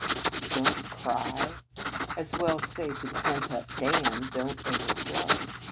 Don t cry! As well say to the pent up dam, " Don t overflow